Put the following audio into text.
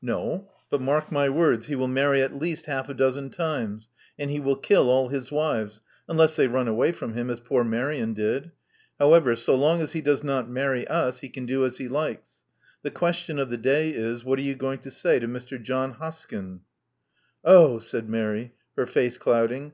No. But mark my words, he will marry at least half a dozen times; and he will kill all his wives, unless they run away from him, as poor Marian did. However, so long as he does not marry us, he can do as he likes. The question of the day is, what are you going to say to Mr. John Hoskyn?" 0h!" said Mary, her face clouding.